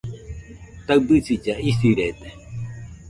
Taɨbisilla isirede